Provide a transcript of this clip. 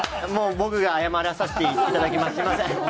もう僕が謝らさせていただきますすみません。